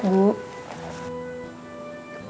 terima kasih pak